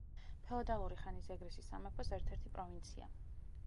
ფეოდალური ხანის ეგრისის სამეფოს ერთ-ერთი პროვინცია.